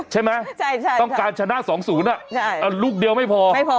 ใช่ไหมต้องการชนะ๒๐ลูกเดียวไม่พอไม่พอ